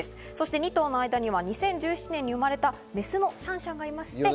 ２頭の間には２０１７年に生まれたメスのシャンシャンがいます。